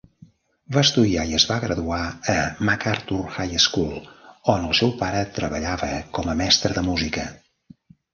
Va estudiar i es va graduar a MacArthur High School, on el seu pare treballava com a mestre de música.